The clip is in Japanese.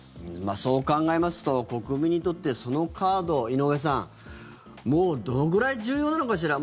そう考えますと国民にとって、そのカード井上さんもうどのぐらい重要なのかしら。